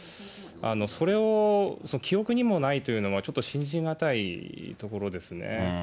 それを記憶にもないというのは、ちょっと信じ難いところですね。